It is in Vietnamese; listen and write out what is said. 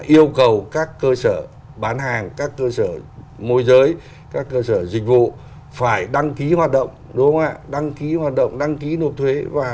yêu cầu các cơ sở bán hàng các cơ sở môi giới các cơ sở dịch vụ phải đăng ký hoạt động đăng ký nộp thuế